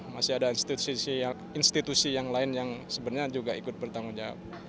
masih ada institusi yang lain yang sebenarnya juga ikut bertanggung jawab